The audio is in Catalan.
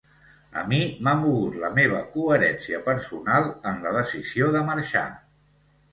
A mi m’ha mogut la meva coherència personal, en la decisió de marxar.